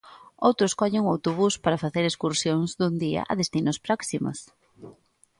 Outros collen o autobús para facer excursións dun día a destinos próximos...